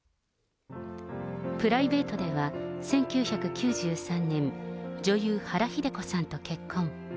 プライベートでは、１９９３年、女優、原日出子さんと結婚。